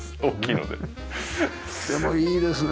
でもいいですね。